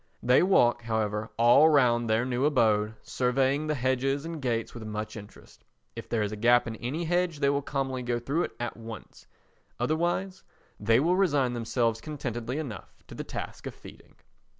They walk, however, all round their new abode, surveying the hedges and gates with much interest. If there is a gap in any hedge they will commonly go through it at once, otherwise they will resign themselves contentedly enough to the task of feeding.